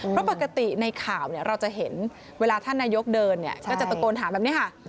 เพราะปกติในข่าวเราจะเห็นเวลาท่านนายกเดินเนี่ยก็จะตะโกนถามแบบนี้ค่ะ